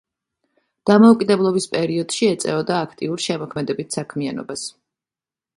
დამოუკიდებლობის პერიოდში ეწეოდა აქტიურ შემოქმედებით საქმიანობას.